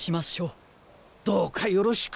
どうかよろしく。